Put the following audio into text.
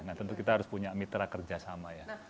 nah tentu kita harus punya mitra kerjasama ya